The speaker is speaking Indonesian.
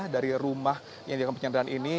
dari rumah yang di dalam penyanderaan ini